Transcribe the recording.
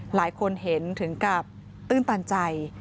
หลายคนเห็นถึงกับตื้นตันใจ